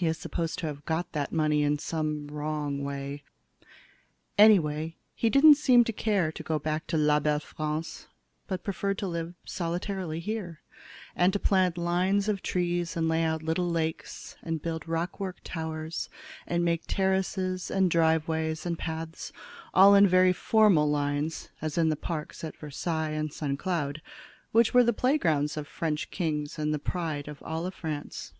He is supposed to have got that money in some wrong way. Anyway, he didn't seem to care to go back to la belle France, but preferred to live solitarily here, and to plant lines of trees and lay out little lakes and build rockwork towers and make terraces and driveways and paths, all in very formal lines, as in the parks at Versailles and St. Cloud, which were the playgrounds of French kings and the pride of all France."